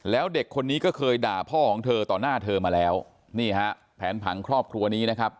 แล้วเด็กคนนี้ก็เคยด่าพ่อของเธอต่อหน้าเธอมาแล้วนี่ฮะแผนผังครอบครัวนี้นะครับ